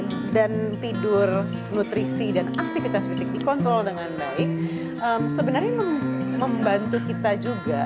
tidur dan tidur nutrisi dan aktivitas fisik dikontrol dengan baik sebenarnya membantu kita juga